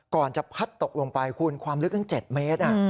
จะพัดตกลงไปคุณความลึกตั้ง๗เมตร